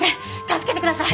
助けてください！